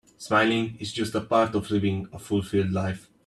Smiling is just part of living a fulfilled life.